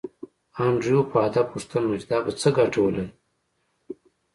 انډریو په ادب پوښتنه وکړه چې دا به څه ګټه ولري